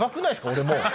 俺もう。